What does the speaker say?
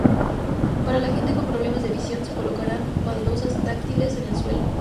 Para la gente con problemas de visión se colocarán baldosas táctiles en el suelo.